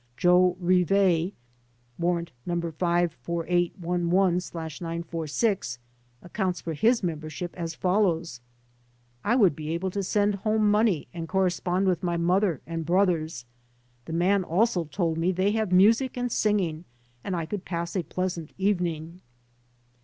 Joe Rive (Warrant No. 54811/946) accounts for his membership as follows: "I would be able to send home money and correspond with my mother and brothers. The man also told me they have music and singing and that I could pass a pleasant evening."